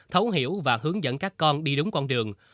thấu hiểu và hướng dẫn các con đi đúng con đường